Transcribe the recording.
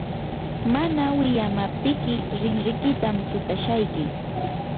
mana wiyamaptiyki rinrikitam sutashayki.